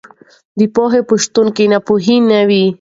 د پوهې په شتون کې ناپوهي نه وي.